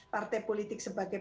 partai politik sebagai